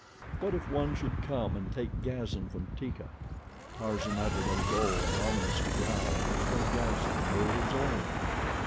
What if one should come and take Gazan from Teeka. Tarzan uttered a low and ominous growl as though Gazan were his own.